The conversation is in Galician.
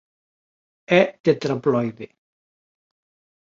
É tetraploide.